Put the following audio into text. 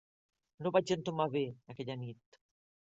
No ho vaig entomar bé, aquella nit.